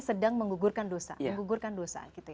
sedang menggugurkan dosa